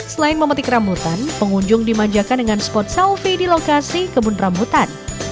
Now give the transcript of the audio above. selain memetik rambutan pengunjung dimanjakan dengan spot selfie di lokasi kebun rambutan